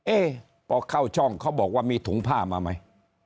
พอเข้าช่องเขาบอกว่ามีถุงผ้ามาไหม